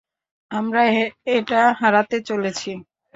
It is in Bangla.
আমরা এটা হারাতে চলেছি।